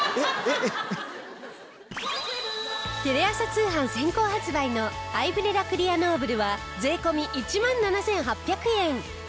テレ朝通販先行発売のアイブレラクリアノーブルは税込１万７８００円。